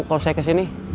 kalau saya kesini